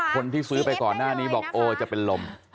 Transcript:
คนที่ซื้อไปก่อนหน้านี้บอกโอ้จะเป็นลม